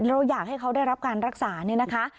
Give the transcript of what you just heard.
เราอยากให้เขาได้รับการรักษาเนี่ยนะคะ